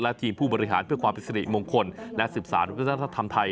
และทีมผู้บริหารเพื่อความพิสิทธิมงคลและสิบสารวิทยาศาสตร์ธรรมไทย